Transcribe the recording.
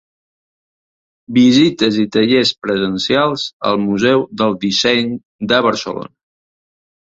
Visites i tallers presencials al Museu del Disseny de Barcelona.